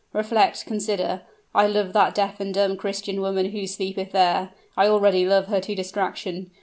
Reflect, consider! I love that deaf and dumb Christian woman who sleepeth there I already love her to distraction!